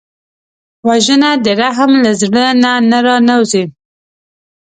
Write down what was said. وژنه د رحم له زړه نه را نهوزي